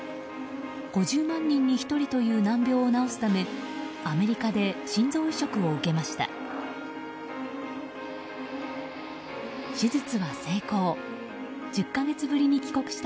５０万人に１人という難病を治すためアメリカで心臓移植を受けました。